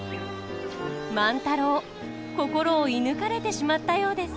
万太郎心を射ぬかれてしまったようです。